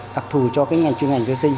đặc thù cho cái ngành chuyên ngành sơ sinh